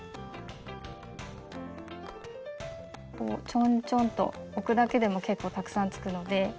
ちょんちょんと置くだけでも結構たくさんつくので。